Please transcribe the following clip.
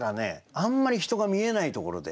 あんまり人が見えないところで。